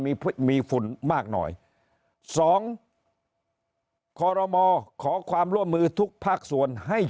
มีมีฝุ่นมากหน่อยสองคอรมอขอความร่วมมือทุกภาคส่วนให้